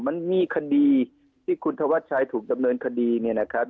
มันมีคดีที่คุณธวัชชัยถูกดำเนินคดีเนี่ยนะครับ